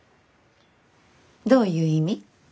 どういう意味？